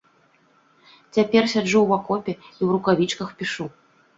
Цяпер сяджу ў акопе і ў рукавічках пішу.